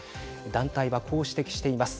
団体はこう指摘しています。